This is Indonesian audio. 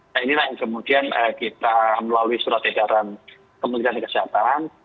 nah inilah yang kemudian kita melalui surat edaran kementerian kesehatan